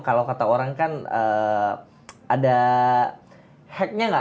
kalau kata orang kan ada hacknya nggak